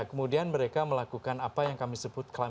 nah kemudian mereka melakukan apa yang kami sebutkan